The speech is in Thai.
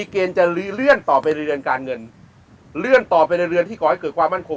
ก็ดูเป็นต่อไปในเรือนที่ก่อนเกิดความมั่นคม